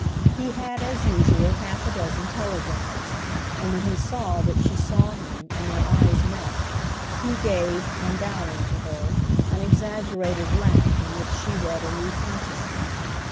He had as usual half a dozen telegrams; and when he saw that she saw him and their eyes met he gave, on bowing to her, an exaggerated laugh in which she read a new consciousness.